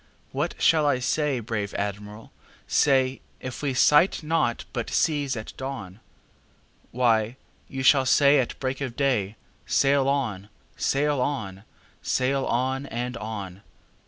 "What shall I say, brave Admiral, say, If we sight naught but seas at dawn?""Why, you shall say at break of day,'Sail on! sail on! sail on! and on!